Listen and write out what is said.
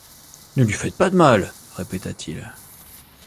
Ne lui faites pas de mal! répéta-t-il.